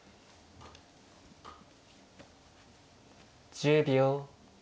１０秒。